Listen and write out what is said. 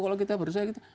kalau kita bersatu kita